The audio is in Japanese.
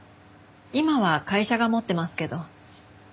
今は会社が持ってますけど。